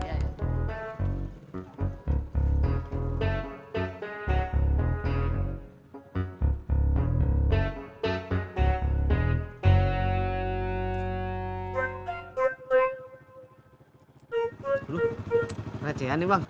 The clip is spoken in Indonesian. lho ada cian nih bang